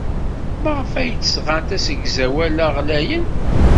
Maɣef ay d-sɣant asegzawal-a ɣlayen?